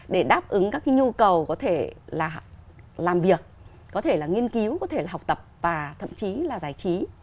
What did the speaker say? để đáp ứng các cái nhu cầu có thể là làm việc có thể là nghiên cứu có thể là học tập và thậm chí là giải trí